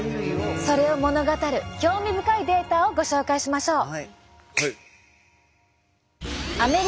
それを物語る興味深いデータをご紹介しましょう。